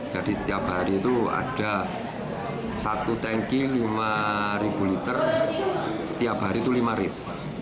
jadi setiap hari itu ada satu tangki lima liter setiap hari itu lima rit